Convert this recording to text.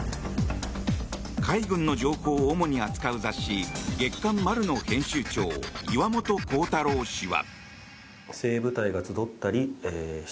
海軍の情報を主に扱う雑誌月刊「丸」の編集長岩本孝太郎氏は。